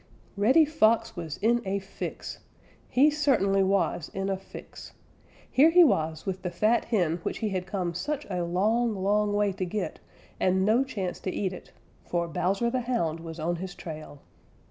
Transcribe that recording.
_ Reddy Fox was in a fix! He certainly was in a fix! Here he was with the fat hen which he had come such a long, long way to get, and no chance to eat it, for Bowser the Hound was on his trail.